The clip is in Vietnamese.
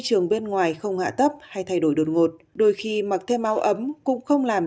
trường bên ngoài không hạ tấp hay thay đổi đột ngột đôi khi mặc thêm áo ấm cũng không làm